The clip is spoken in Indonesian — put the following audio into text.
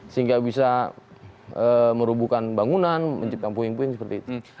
sehingga bisa merubuhkan bangunan menciptakan puing puing seperti itu